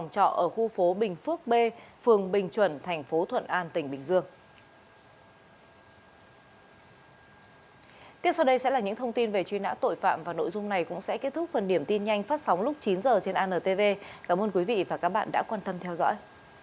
tiếp sau đây sẽ là những thông tin về truy nã tội phạm và nội dung này cũng sẽ kết thúc phần điểm tin nhanh phát sóng lúc chín h trên antv cảm ơn quý vị và các bạn đã quan tâm theo dõi